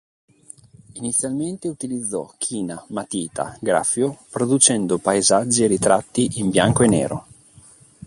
Inizialmente utilizzò "china, matita, graffio", producendo paesaggi e ritratti in bianco e nero.